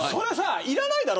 いらないだろ